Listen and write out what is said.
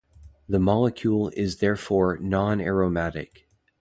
The molecule is therefore nonaromatic.